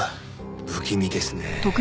不気味ですね。